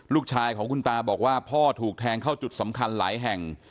ลูกชายของคุณตาบอกว่าพ่อถูกแทงเข้าจุดสำคัญหลายแห่ง